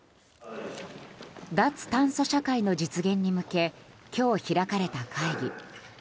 脱炭素社会の実現に向け今日開かれた会議。